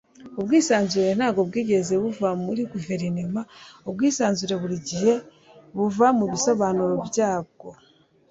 ubwisanzure ntabwo bwigeze buva muri guverinoma. ubwisanzure burigihe buva mubisobanuro byabwo